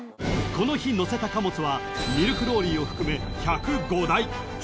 ［この日載せた貨物はミルクローリーを含め１０５台］